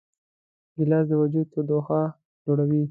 ګیلاس د وجود تودوخه لوړوي.